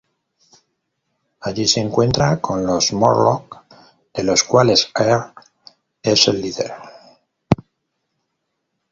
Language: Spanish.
Allí, se encuentran con los Morlocks, de los cuales Erg es el líder.